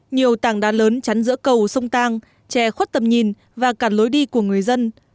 nhiều tảng đá lớn chắn giữa cầu sông tang chè khuất tầm nhìn và cả lối đi của người dân